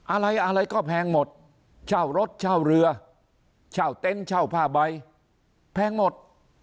อะไรอะไรก็แพงหมดเช่ารถเช่าเรือเช่าเต็นต์เช่าผ้าใบแพงหมด